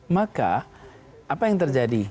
maka apa yang terjadi